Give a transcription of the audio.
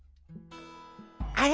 あれ？